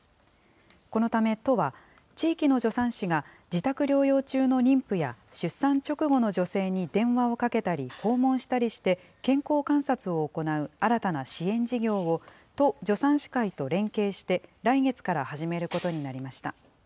このため、都は、地域の助産師が、自宅療養中の妊婦や出産直後の女性に電話をかけたり、訪問したりして、健康観察を行う新たな支援事業を、都助産師会と連携して、来月から始めることになりました。